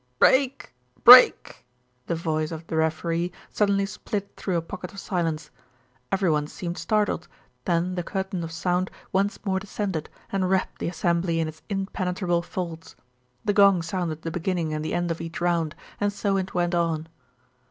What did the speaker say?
"Break! Break!" The voice of the referee suddenly split through a "pocket" of silence. Everyone seemed startled, then the curtain of sound once more descended and wrapped the assembly in its impenetrable folds. The gong sounded the beginning and the end of each round, and so it went on.